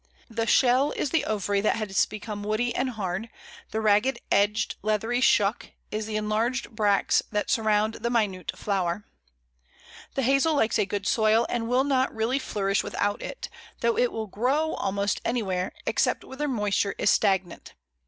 The shell is the ovary that has become woody and hard; the ragged edged leathery "shuck" is the enlarged bracts that surrounded the minute flower. The Hazel likes a good soil, and will not really flourish without it, though it will grow almost anywhere, except where the moisture is stagnant.